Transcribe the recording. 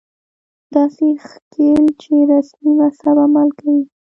داسې ښييل چې رسمي مذهب عمل کوي